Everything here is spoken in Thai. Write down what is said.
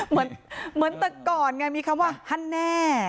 เหมือนแต่ก่อนไงมีคำว่าฮันแน่